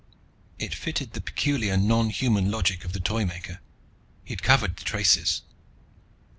It fitted the peculiar nonhuman logic of the Toymaker. He'd covered the traces.